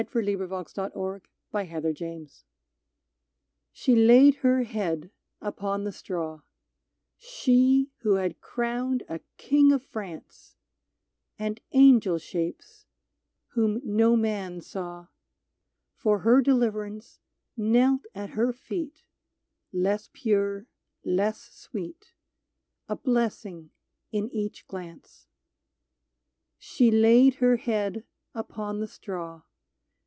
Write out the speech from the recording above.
137 ROUEN : IN THE PRISON OF JOAN OF ARC Ohe laid her head upon the straw, She who had crowned a king of France, And angel shapes, whom no man saw, For her deliverance, Knelt at her feet — less pure, less sweet — A blessing in each glance. She laid her head upon the straw.